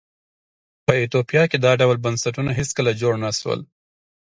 په ایتوپیا کې دا ډول بنسټونه هېڅکله جوړ نه شول.